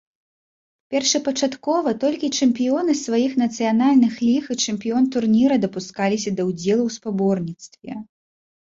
Першапачаткова толькі чэмпіёны сваіх нацыянальных ліг і чэмпіён турніра дапускаліся да ўдзелу ў спаборніцтве.